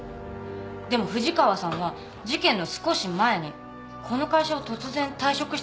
でも藤川さんは事件の少し前にこの会社を突然退職してるんです。